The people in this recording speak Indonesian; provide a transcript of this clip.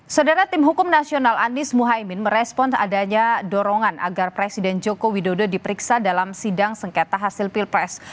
saudara tim hukum nasional anies mohaimin merespon adanya dorongan agar presiden joko widodo diperiksa dalam sidang sengketa hasil pilpres